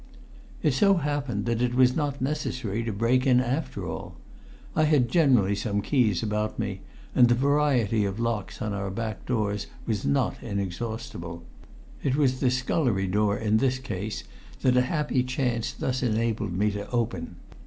It so happened that it was not necessary to break in after all. I had generally some keys about me and the variety of locks on our back doors was not inexhaustible. It was the scullery door in this case that a happy chance thus enabled me to open.